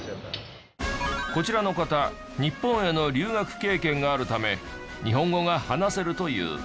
こちらの方日本への留学経験があるため日本語が話せるという。